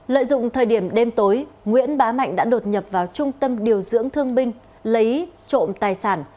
lợi dụng thời điểm đêm tối nguyễn bá mạnh đã đột nhập vào trung tâm điều dưỡng thương binh lấy trộm tài sản